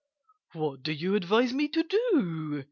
"What do you advise me to do?"